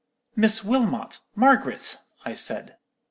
"'Miss Wilmot—Margaret,' I said.